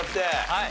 はい。